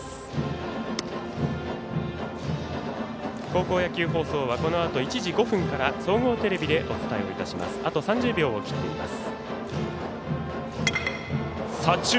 高校野球放送はこのあと１時５分から総合テレビでお伝えいたします。